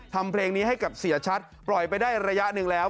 ทำเพลงนี้ให้กับเสียชัดปล่อยไปได้ระยะหนึ่งแล้ว